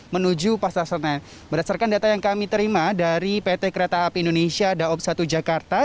menuju pasar senen berdasarkan data yang kami terima dari pt kereta api indonesia daob satu jakarta